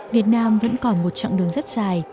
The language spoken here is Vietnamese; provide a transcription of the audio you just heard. việt nam vẫn còn một chặng đường rất dài